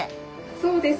そうです。